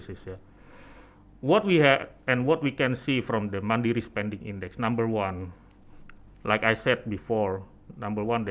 dan apa yang kita dapat lihat dari indeks penggunaan mandiri nomor satu seperti yang saya katakan sebelumnya